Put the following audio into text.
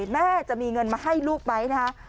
แม่จะมีเงินมาให้ลูกไหมนะคะ